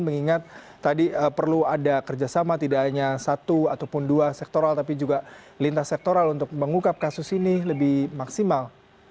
mengingat tadi perlu ada kerjasama tidak hanya satu ataupun dua sektoral tapi juga lintas sektoral untuk mengukap kasus ini lebih maksimal